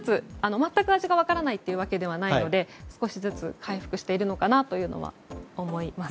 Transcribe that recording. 全く味が分からないというわけではないので少しずつ回復しているのかなと思います。